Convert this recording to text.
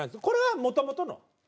これはもともとの。